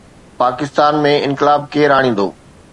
پاڪستان ۾ انقلاب ڪير آڻيندو؟